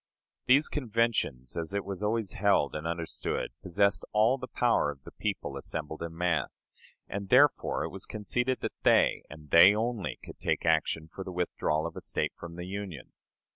These conventions, as it was always held and understood, possessed all the power of the people assembled in mass; and therefore it was conceded that they, and they only, could take action for the withdrawal of a State from the Union.